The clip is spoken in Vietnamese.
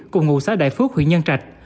cùng ngụ xã đại phước huyện nhân trạch